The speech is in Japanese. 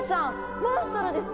モンストロです！